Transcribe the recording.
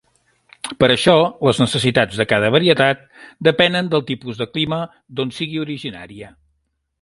Per això les necessitats de cada varietat depenen del tipus de clima d'on sigui originària.